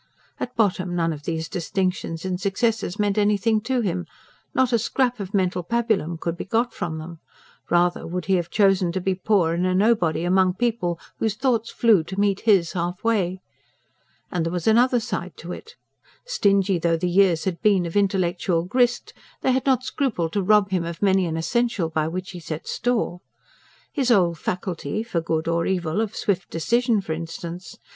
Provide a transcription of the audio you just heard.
At bottom, none of these distinctions and successes meant anything to him; not a scrap of mental pabulum could be got from them: rather would he have chosen to be poor and a nobody among people whose thoughts flew to meet his half way. And there was also another side to it. Stingy though the years had been of intellectual grist, they had not scrupled to rob him of many an essential by which he set store. His old faculty for good or evil of swift decision, for instance.